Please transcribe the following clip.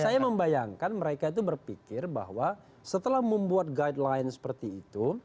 saya membayangkan mereka itu berpikir bahwa setelah membuat guideline seperti itu